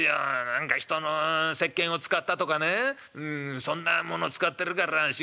何か人のせっけんを使ったとかねそんなもの使ってるから仕事がまずいんだとかね